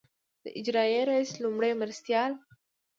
د اجرائیه رییس لومړي مرستیال.